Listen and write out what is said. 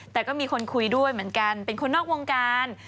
แต่ก็มีคนคุยด้วยเหมือนกันเป็นคนนอกวงการ